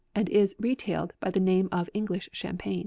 nd is retailed by the name of English Cham paign.